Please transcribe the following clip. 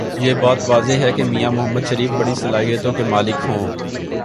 یہ بات واضح ہے کہ میاں محمد شریف بڑی صلاحیتوں کے مالک ہوں۔